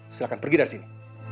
silahkan pergi dari sini